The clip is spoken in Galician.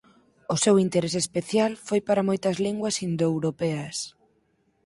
O seu interese especial foi para moitas linguas indoeuropeas.